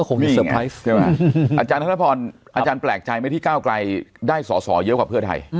กล้าไกลได้สอเยอะกว่าเพื่อใคร